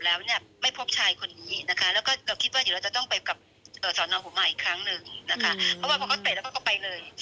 เพราะว่าเพราะว่าเค้ากระเตะเล็กแล้วเขาไปเลย